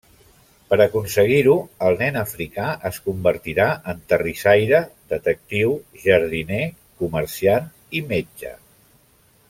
Per aconseguir-ho, el nen africà es convertirà en terrissaire, detectiu, jardiner, comerciant i metge.